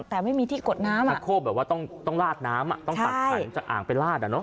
แต่ไม่มีที่กดน้ำชักโครกแบบว่าต้องลาดน้ำต้องตัดขันจากอ่างไปลาด